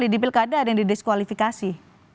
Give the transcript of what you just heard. di pilkada ada yang di diskualifikasi